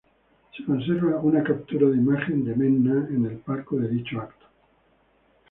Se conserva una captura de imagen de Menna en el palco de dicho acto.